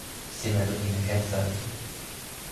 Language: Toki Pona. sina lukin e ken seme?